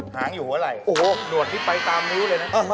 หางอยู่หัวไหล่หนวดที่ไปตามนิ้วเลยนะ